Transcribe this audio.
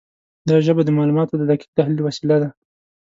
دا ژبه د معلوماتو د دقیق تحلیل وسیله ده.